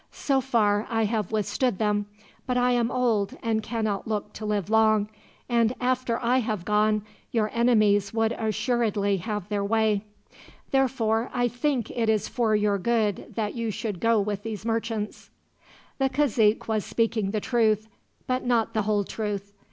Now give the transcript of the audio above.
So far I have withstood them, but I am old and cannot look to live long, and after I have gone your enemies would assuredly have their way. Therefore I think it is for your good that you should go with these merchants." The cazique was speaking the truth, but not the whole truth.